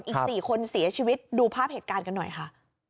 อีก๔คนเสียชีวิตดูภาพเหตุการณ์กันหน่อยค่ะ